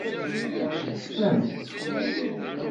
Cfan.